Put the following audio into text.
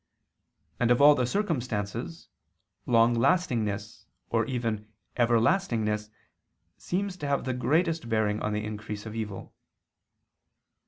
And of all the circumstances, longlastingness, or even everlastingness, seems to have the greatest bearing on the increase of evil.